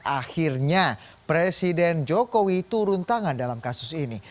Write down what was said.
akhirnya presiden jokowi turun tangan dalam kasus ini